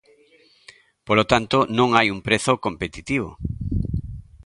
Polo tanto, non hai un prezo competitivo.